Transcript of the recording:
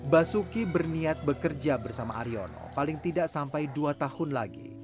basuki berniat bekerja bersama aryono paling tidak sampai dua tahun lagi